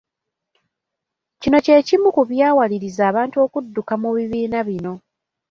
Kino kyekimu ku byawaliriza abantu okudduka mu bibiina bino.